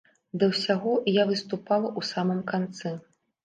Да ўсяго, я выступала ў самым канцы.